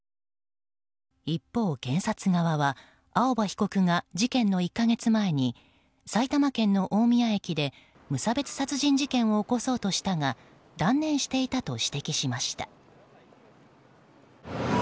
一方、検察側は青葉被告が事件の１か月前に埼玉県の大宮駅で無差別殺人事件を起こそうとしたが断念していたと指摘しました。